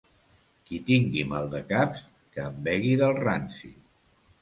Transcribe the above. Qui tingui maldecaps, que en begui del ranci.